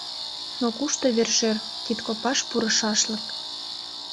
Но кушто вер-шӧр, кидкопаш пурышашлык